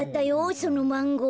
そのマンゴー。